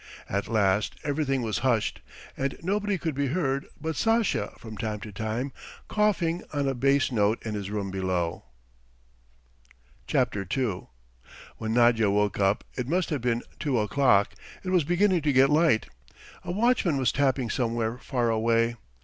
At last everything was hushed, and nothing could be heard but Sasha from time to time coughing on a bass note in his room below. II When Nadya woke up it must have been two o'clock, it was beginning to get light. A watchman was tapping somewhere far away.